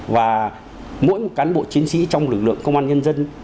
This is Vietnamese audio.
và mỗi cán bộ chiến sĩ trong lực lượng công an nhân dân